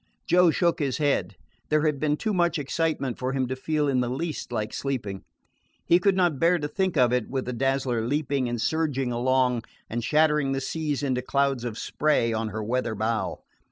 Joe shook his head. There had been too much excitement for him to feel in the least like sleeping. He could not bear to think of it with the Dazzler leaping and surging along and shattering the seas into clouds of spray on her weather bow.